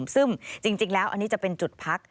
ซึ่งจริงแล้วอันนี้จะเป็นจุดพัก